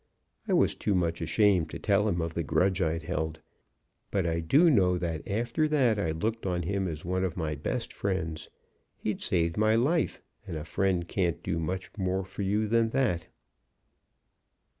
I was too much ashamed to tell him of the grudge I'd held. But I do know that after that I looked on him as one of my best friends. He'd saved my life, and a friend can't do much more for you than that."